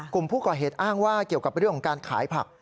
กลุ่มผู้ก่อเหตุอ้างว่าเกี่ยวกับเรื่องของการขายผัก